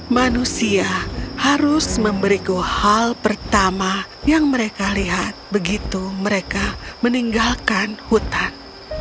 manusia harus memberiku hal pertama yang mereka lihat begitu mereka meninggalkan hutan